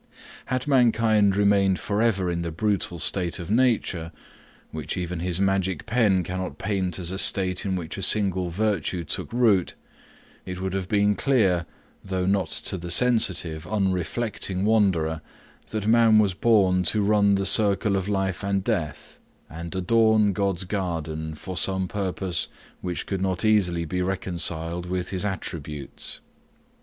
Had mankind remained for ever in the brutal state of nature, which even his magic pen cannot paint as a state in which a single virtue took root, it would have been clear, though not to the sensitive unreflecting wanderer, that man was born to run the circle of life and death, and adorn God's garden for some purpose which could not easily be reconciled with his attributes.